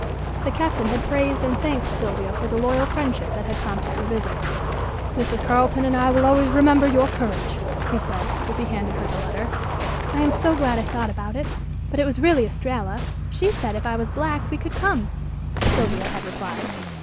The Captain had praised and thanked Sylvia for the loyal friendship that had prompted her visit. "Mrs. Carleton and I will always remember your courage," he said, as he handed her the letter. "I am so glad I thought about it; but it was really Estralla. She said if I was black we could come," Sylvia had replied.